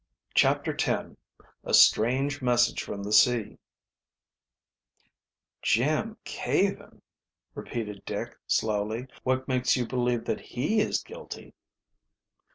CHAPTER X A STRANGE MESSAGE FROM THE SEA "Jim Caven!" repeated Dick slowly, "What makes you believe that he is guilty?"